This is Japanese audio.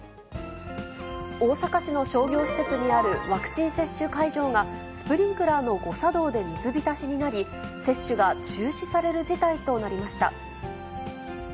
大阪市の商業施設にあるワクチン接種会場が、スプリンクラーの誤作動で水浸しになり、接種が中止される事態となりました。